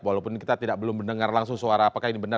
walaupun kita tidak belum mendengar langsung suara apakah ini benar